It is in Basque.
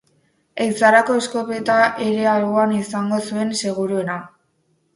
Ehizarako eskopeta ere alboan izango zuen seguruena.